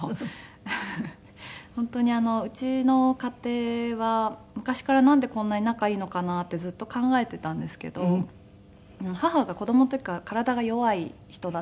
本当にうちの家庭は昔からなんでこんなに仲いいのかなってずっと考えていたんですけど母が子供の時から体が弱い人だったんですよね。